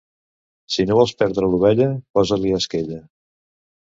Si no vols perdre l'ovella, posa-li esquella.